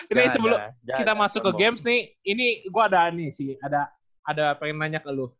ini sebelum kita masuk ke games nih ini gue ada nih sih ada pengen nanya ke lu